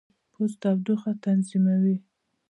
پوست تودوخه تنظیموي.